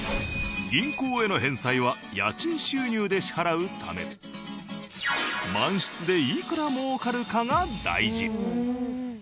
銀行への返済は家賃収入で支払うため満室でいくらもうかるかが大事。